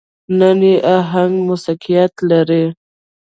نه يې اهنګ موسيقيت لري.